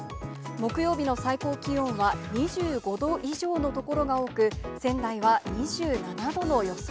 木曜日の最高気温は２５度以上の所が多く、仙台は２７度の予想。